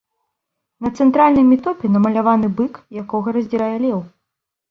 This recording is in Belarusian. На цэнтральнай метопе намаляваны бык, якога раздзірае леў.